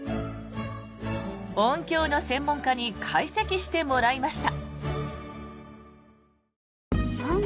音響の専門家に解析してもらいました。